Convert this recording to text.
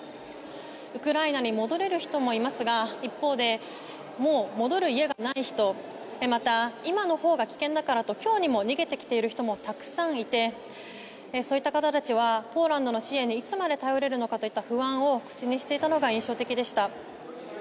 ウクライナに戻れる人もいますが一方で、もう戻る家がない人また今のほうが危険だからと今日にも逃げてきている人もたくさんいてそういった方たちはポーランドの支援にいつまで頼れるのかという不安を口にしていたのが印象的でした。